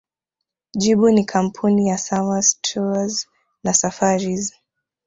Jibu ni Kampuni ya Samâs Tours and Safaris